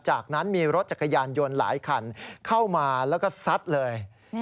จากนั้นมีรถจักรยานยนต์หลายคันเข้ามาแล้วก็ซัดเลย